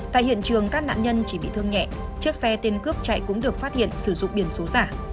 tại hiện trường các nạn nhân chỉ bị thương nhẹ chiếc xe tiền cướp chạy cũng được phát hiện sử dụng biển số giả